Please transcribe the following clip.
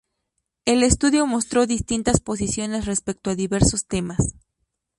El estudio mostró distintas posiciones respecto a diversos temas.